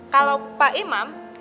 kalau pak imam